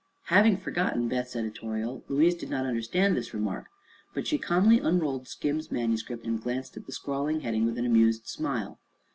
Having forgotten Beth's editorial, Louise did not understand this remark, but she calmly unrolled Skim's manuscript and glanced at the scrawled heading with an amused smile.